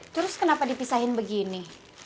terus kenapa dipisahin begini